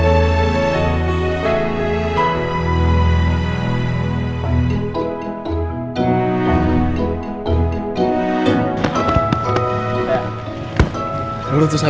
jika mereka kok punya program type